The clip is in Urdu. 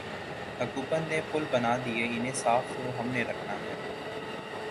حکومت نے پل بنادیئے انہیں صاف تو ہم نے رکھنا ہے۔